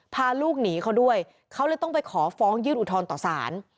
พาลูกหนีเขาด้วยเขาเลยต้องไปขอฟ้องยื่นอุทธรณ์ต่อสาร